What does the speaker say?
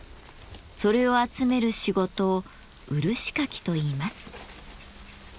それを集める仕事を漆かきといいます。